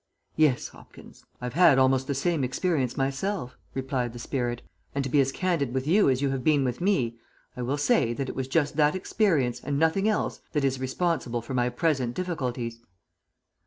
"Yes, Hopkins. I've had almost the same experience myself," replied the spirit; "and to be as candid with you as you have been with me, I will say that it was just that experience, and nothing else, that is responsible for my present difficulties."